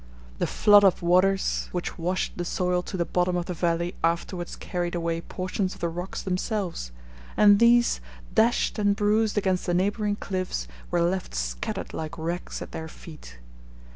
The flood of waters which washed the soil to the bottom of the valley afterwards carried away portions of the rocks themselves; and these, dashed and bruised against the neighboring cliffs, were left scattered like wrecks at their feet.